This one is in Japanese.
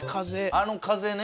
あの風ね。